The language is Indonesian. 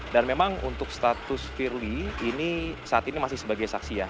dan memang untuk status firly ini saat ini masih sebagai saksi ya